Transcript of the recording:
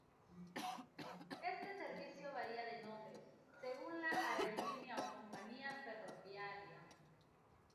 Este servicio varía de nombre, según la aerolínea o compañía ferroviaria.